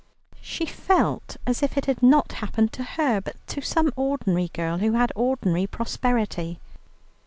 She felt as if it had not happened to her, but to some ordinary girl who had ordinary prosperity.